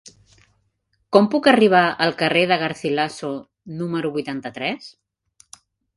Com puc arribar al carrer de Garcilaso número vuitanta-tres?